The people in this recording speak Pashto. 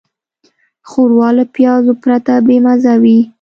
ښوروا له پیازو پرته بېمزه وي.